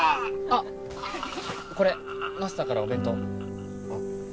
あっこれマスターからお弁当あ